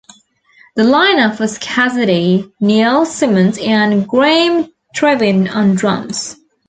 The line-up was Cassidy, Neal, Simons and Graeme Trewin on drums.